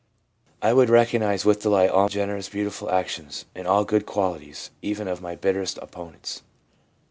I would recognise with delight all generous, beautiful actions, and all good qualities, even of my bitterest opponents.'